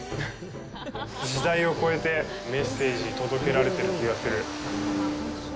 時代を超えてメッセージ、届けられてる気がする。